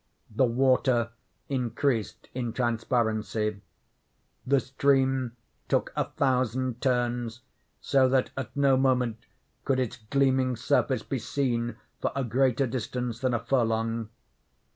The water increased in transparency. The stream took a thousand turns, so that at no moment could its gleaming surface be seen for a greater distance than a furlong.